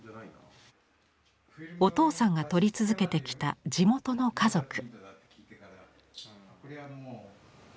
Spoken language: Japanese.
お父さんが撮り続けてきた地元の家族。